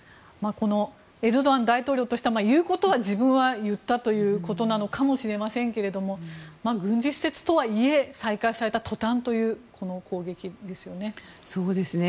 エルドアン大統領としたら言うことは自分は言ったということかもしれませんが軍事施設とはいえ再開されたとたんという攻撃ですよね。